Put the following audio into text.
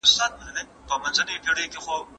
نرمه وینا د غصې اور وژني.